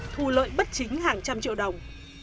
thu lợi bất chính hàng trăm triệu đồng